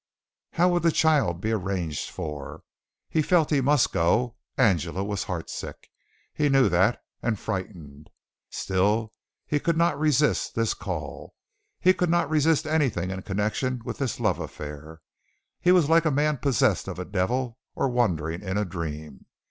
How would the child be arranged for? He felt he must go. Angela was heartsick, he knew that, and frightened. Still he could not resist this call. He could not resist anything in connection with this love affair. He was like a man possessed of a devil or wandering in a dream.